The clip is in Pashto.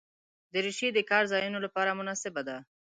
دریشي د کار ځایونو لپاره مناسبه ده.